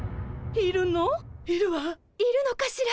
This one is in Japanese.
いるのかしら？